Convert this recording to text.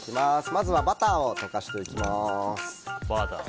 まずはバターを溶かしていきます。